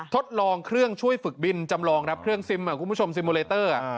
ทดลองเครื่องช่วยฝึกบินจำลองครับเครื่องซิมคุณผู้ชมซิมโมเลเตอร์